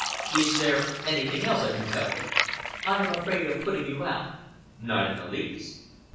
"Is there anything else I can tell you?" "I am afraid of putting you out." "Not in the least."